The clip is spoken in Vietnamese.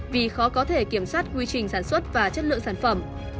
vì khó có thể kiểm soát quy trình sản xuất và chất lượng sản phẩm